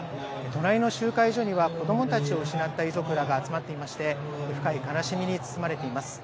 隣の集会所には子どもたちを失った遺族らが集まっていまして、深い悲しみに包まれています。